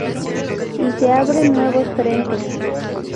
Y se abren nuevos frentes.